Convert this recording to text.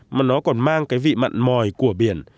mà nó còn mang cái vị mặn mòi của biển